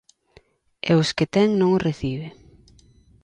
E os que ten non os recibe.